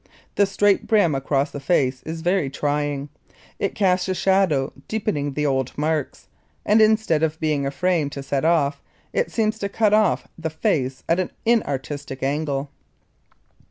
The straight brim across the face is very trying. It casts a shadow deepening the "old marks" and instead of being a frame to set off, it seems to cut off, the face at an inartistic angle.